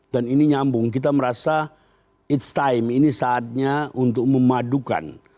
dan ini nyambung kita merasa it's time ini saatnya untuk memadukan